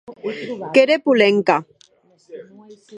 Qu’ère Polenka.